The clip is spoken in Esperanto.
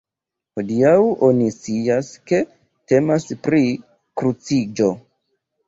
Hodiaŭ oni scias, ke temas pri kruciĝo.